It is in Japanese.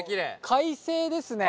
快晴ですね。